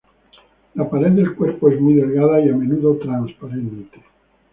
La pared del cuerpo es muy delgada y a menudo transparente.